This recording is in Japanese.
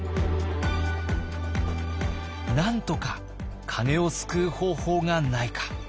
なんとか鐘を救う方法がないか。